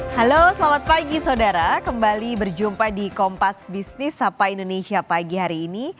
halo selamat pagi saudara kembali berjumpa di kompas bisnis sapa indonesia pagi hari ini